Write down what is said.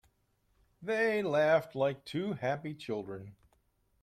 They laughed like two happy children.